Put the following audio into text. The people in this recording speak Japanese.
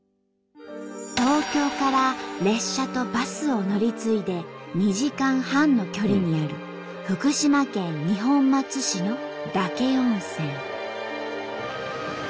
東京から列車とバスを乗り継いで２時間半の距離にある福島県二本松市の岳温泉。